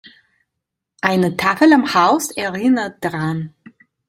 Eine Tafel am Haus erinnert daran.